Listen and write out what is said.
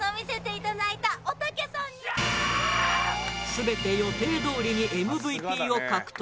全て予定どおりにＭＶＰを獲得。